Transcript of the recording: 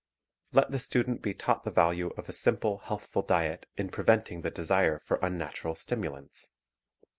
Let the student be taught the value of a simple, healthful diet in preventing the desire for unnatural stimulants.